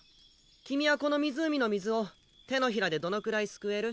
君はこの湖の水を手のひらでどのくらいすくえる？